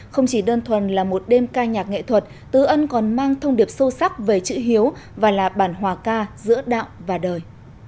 không chỉ đơn thuần là một đêm ca nhạc nghệ thuật tứ ân còn mang thông điệp sâu sắc về chữ hiếu và là bản hòa ca giữa đạo và đời